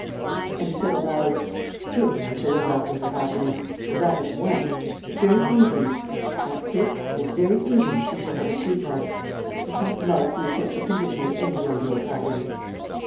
And he said, aloud, "Certainly I shall look after her happiness! And that at once! This very evening! That's it, this very evening she shall have a sweetheart! Is not love the essential condition of any young girl's happiness?"